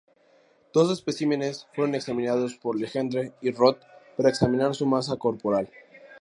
Dos especímenes fueron examinados por Legendre y Roth para examinar su masa corporal.